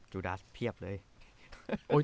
จุดัสเพียบเลย